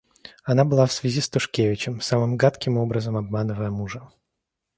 Она была в связи с Тушкевичем, самым гадким образом обманывая мужа.